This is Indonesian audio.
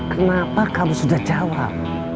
kenapa kamu sudah jawab